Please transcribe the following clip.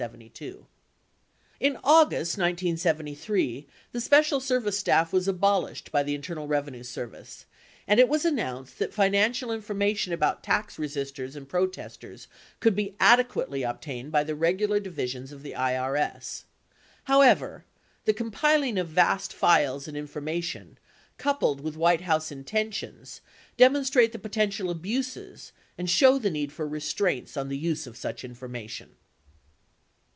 68 In August 1973, the Special Service Staff was abolished by the Internal Revenue Service, and it was announced that financial infor mation about tax resisters and protesters could be adequately obtained by the regular divisions of the IRS. However, the compiling of vast files and information coupled with White House intentions demon strate the potential abuses and show the need for restraints on the use of such information.